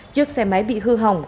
chiếc xe máy bị hư hỏng